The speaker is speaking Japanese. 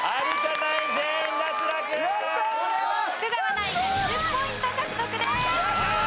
福澤ナインが２０ポイント獲得です！